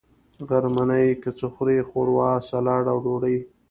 غرمنۍ کی څه خورئ؟ ښوروا، ، سلاډ او ډوډۍ